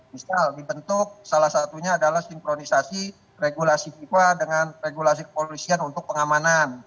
misal dibentuk salah satunya adalah sinkronisasi regulasi fifa dengan regulasi kepolisian untuk pengamanan